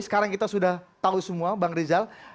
sekarang kita sudah tahu semua bang rizal